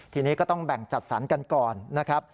ทีนี้ก็ต้องแบ่งจัดสรรกันก่อนนะครับ